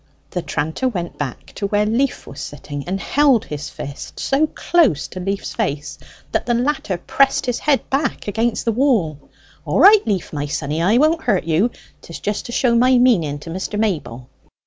the tranter went back to where Leaf was sitting, and held his fist so close to Leaf's face that the latter pressed his head back against the wall: "All right, Leaf, my sonny, I won't hurt you; 'tis just to show my meaning to Mr. Mayble.